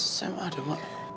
sam ada mak